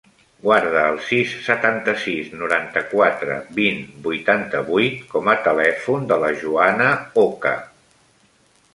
Guarda el sis, setanta-sis, noranta-quatre, vint, vuitanta-vuit com a telèfon de la Joana Oca.